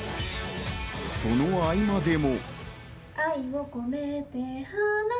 その合間でも。